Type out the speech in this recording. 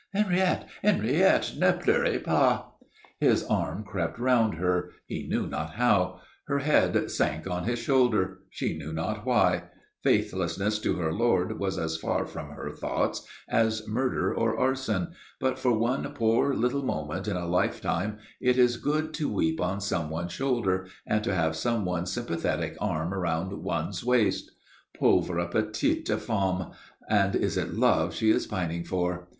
"Henriette! Henriette, ne pleurez pas." His arm crept round her he knew not how; her head sank on his shoulder, she knew not why faithlessness to her lord was as far from her thoughts as murder or arson; but for one poor little moment in a lifetime it is good to weep on someone's shoulder and to have someone's sympathetic arm around one's waist. "Pauvre petite femme! And is it love she is pining for?"